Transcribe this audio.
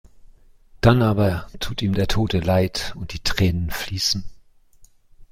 Dann aber tut ihm der Tote leid und die Tränen fließen.